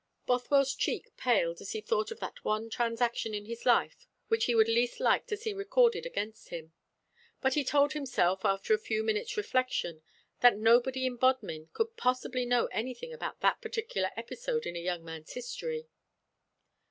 Bothwell's cheek paled as he thought of that one transaction of his life which he would least like to see recorded against him. But he told himself, after a few minutes' reflection, that nobody in Bodmin could possibly know anything about that particular episode in a young man's history.